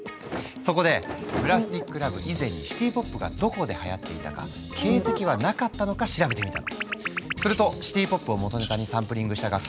そこで「ＰＬＡＳＴＩＣＬＯＶＥ」以前にシティ・ポップがどこではやっていたか形跡はなかったのか調べてみたの。